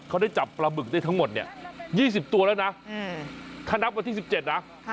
เขาได้จับปลาบึกได้ทั้งหมดเนี่ย๒๐ตัวแล้วนะถ้านับวันที่๑๗นะ